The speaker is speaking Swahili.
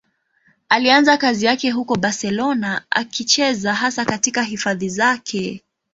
Alianza kazi yake huko Barcelona, akicheza hasa katika hifadhi zake.